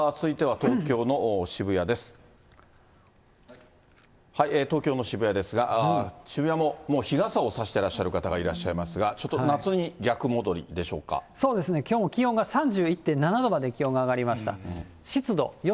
東京の渋谷ですが、渋谷も日傘を差してらっしゃる方がいらっしゃいますが、ちょっとそうですね、きょうも気温が３１．７度まで気温が上がりました。